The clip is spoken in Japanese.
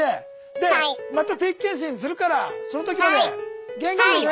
でまた定期検診するからその時まで元気でね。